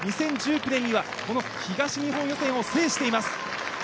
２０１９年には東日本予選を制しています。